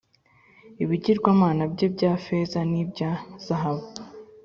ibigirwamana bye bya feza n’ibya zahabu,